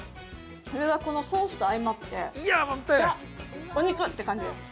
それが、このソースと相まってザ・お肉！って感じです。